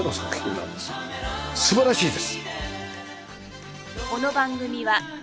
素晴らしいです。